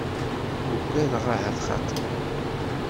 Ugadeɣ ahat xaṭi.